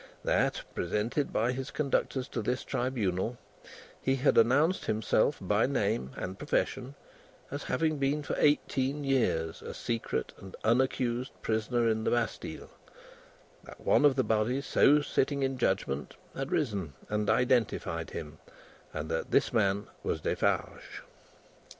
That, presented by his conductors to this Tribunal, he had announced himself by name and profession as having been for eighteen years a secret and unaccused prisoner in the Bastille; that, one of the body so sitting in judgment had risen and identified him, and that this man was Defarge.